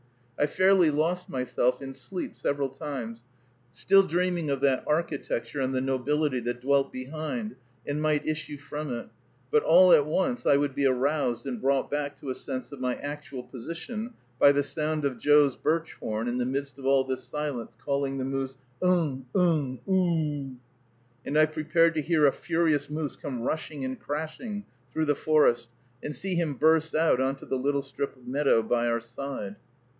I fairly lost myself in sleep several times, still dreaming of that architecture and the nobility that dwelt behind and might issue from it: but all at once I would be aroused and brought back to a sense of my actual position by the sound of Joe's birch horn in the midst of all this silence calling the moose, ugh, ugh, oo oo oo oo oo oo, and I prepared to hear a furious moose come rushing and crashing through the forest, and see him burst out on to the little strip of meadow by our side.